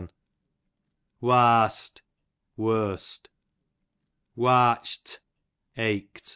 Warst, worst. Wartcht, ached.